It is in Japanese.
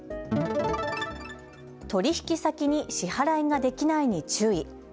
取引先に支払いができないに注意。